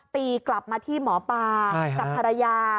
ตีกลับมาที่หมอปลากับภรรยา